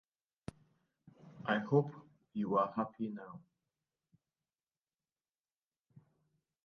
I hope you are happy now.